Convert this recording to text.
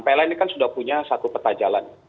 pln ini kan sudah punya satu peta jalan